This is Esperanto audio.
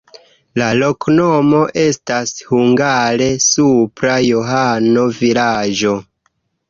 La loknomo estas hungare: supra-Johano-vilaĝo.